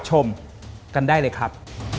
ขอบคุณนะครับ